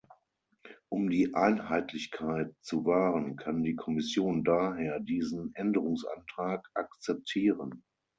Um die Einheitlichkeit zu wahren, kann die Kommission daher diesen Änderungsantrag akzeptieren.